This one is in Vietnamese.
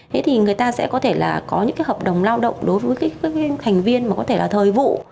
thế thì người ta sẽ có thể là có những cái hợp đồng lao động đối với các thành viên mà có thể là thời vụ